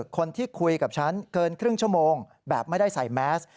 คนที่คุยกับฉันเกินครึ่งชั่วโมงแบบไม่ได้ใส่แมส